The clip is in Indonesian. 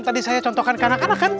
tadi saya contohkan kanak kanak kan